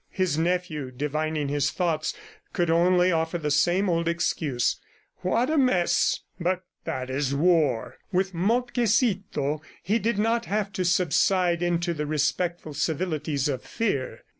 His nephew, divining his thoughts, could only offer the same old excuse "What a mess! ... But that is war!" With Moltkecito, he did not have to subside into the respectful civilities of fear.